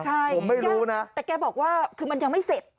ผมไม่รู้นะค่ะแต่แกบอกว่ามันยังไม่เสร็จ